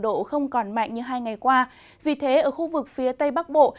độ không còn mạnh như hai ngày qua vì thế ở khu vực phía tây bắc bộ